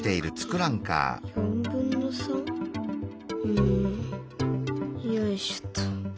うんよいしょっと。